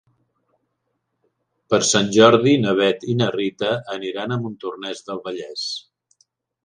Per Sant Jordi na Bet i na Rita aniran a Montornès del Vallès.